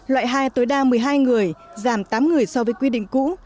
loại hai tối đa một mươi hai người giảm tám người so với quy định cũ